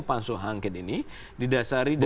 pansus angket ini didasari dari kasus